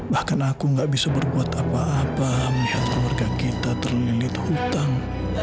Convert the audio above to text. bahkan aku gak bisa berbuat apa apa melihat keluarga kita terlilit hutang